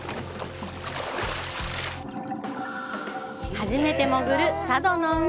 初めて潜る佐渡の海。